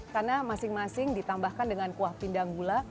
karena masing masing ditambahkan dengan kuah pindang gula